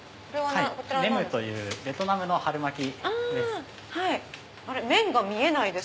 ネムというベトナムの春巻きです。